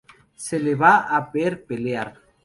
Se le va a ver pelear.